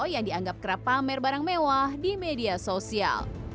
yang dianggap kerapamer barang mewah di media sosial